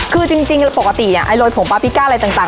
คือจริงจริงปกติอ่ะไอโรยผงบาร์บีก้าอะไรต่างต่าง